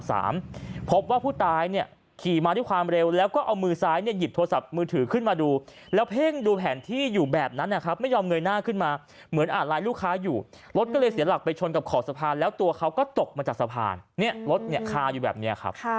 พบว่าผู้ตายเนี่ยขี่มาด้วยความเร็วแล้วก็เอามือซ้ายเนี่ยหยิบโทรศัพท์มือถือขึ้นมาดูแล้วเพ่งดูแผนที่อยู่แบบนั้นนะครับไม่ยอมเงยหน้าขึ้นมาเหมือนอ่านไลน์ลูกค้าอยู่รถก็เลยเสียหลักไปชนกับขอบสะพานแล้วตัวเขาก็ตกมาจากสะพานเนี่ยรถเนี่ยคาอยู่แบบนี้ครับ